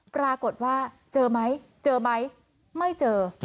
ปรากฏว่าเจอไหมไม่เจอ